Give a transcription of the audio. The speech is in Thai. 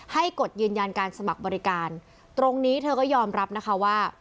กฎยืนยันการสมัครบริการตรงนี้เธอก็ยอมรับนะคะว่า